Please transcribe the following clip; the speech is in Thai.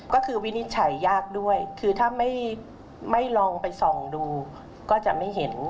ก็คือวินิจฉัยยากด้วยคือถ้าไม่ลองไปส่องดูก็จะไม่เห็น